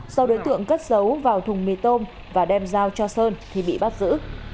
sau đối tượng cất dấu vào thùng mì tôm và đem giao cho sơn thì bị bắt giữ